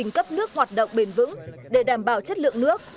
cấp nước hoạt động bền vững để đảm bảo chất lượng nước